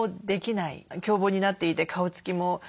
狂暴になっていて顔つきも悪い。